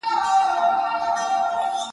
څنګه دا کور او دا جومات او دا قلا سمېږي!.